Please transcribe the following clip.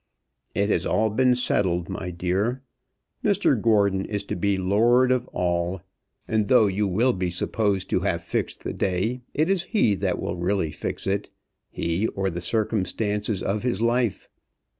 "It has been all settled, my dear. Mr Gordon is to be the lord of all that. And though you will be supposed to have fixed the day, it is he that will really fix it; he, or the circumstances of his life.